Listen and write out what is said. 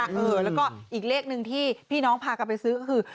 แล้วก็อีกเลขหนึ่งที่พี่น้องพากันไปซื้อก็คือ